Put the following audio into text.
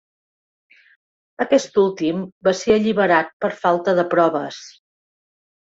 Aquest últim va ser alliberat per falta de proves.